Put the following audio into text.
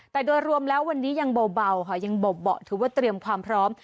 แต่โดยรวมแล้ววันนี้ยังเบาค่ะยังเบาะถือว่าเตรียมความพร้อม